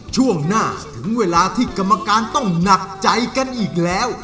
ช่วงหน้าถึงเวลาที่กรรมการต้องหนักใจกันอีกแล้ว